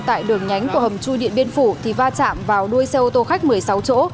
tại đường nhánh của hầm chui điện biên phủ thì va chạm vào đuôi xe ô tô khách một mươi sáu chỗ